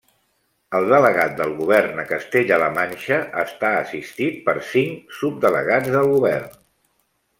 El delegat del Govern a Castella-La Manxa està assistit per cinc subdelegats del Govern.